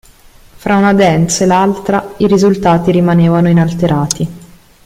Fra una "dance" e l'altra i risultati rimanevano inalterati.